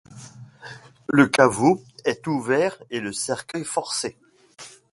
Le caveau est ouvert et le cercueil forcé.